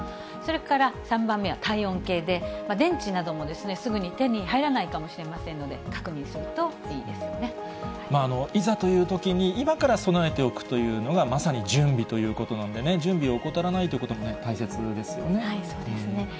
それから３番目は体温計で、電池などもすぐに手に入らないかもしれないので、確認するといいいざというときに、今から備えておくというのがまさに準備ということなんでね、準備を怠らないということも大切ですよね。